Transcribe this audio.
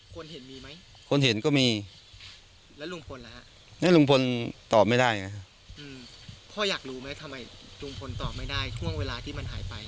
คนเห็นมีไหมคนเห็นก็มีแล้วลุงพลล่ะฮะแล้วลุงพลตอบไม่ได้ไงฮะพ่ออยากรู้ไหมทำไมลุงพลตอบไม่ได้ช่วงเวลาที่มันหายไป